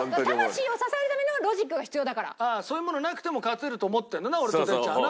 そういうものなくても勝てると思ってるのな俺と哲ちゃんはな。